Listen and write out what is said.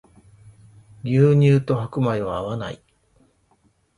牛乳と白米は合わない